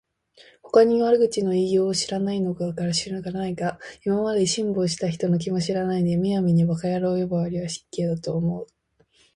ほかに悪口の言いようを知らないのだから仕方がないが、今まで辛抱した人の気も知らないで、無闇に馬鹿野郎呼ばわりは失敬だと思う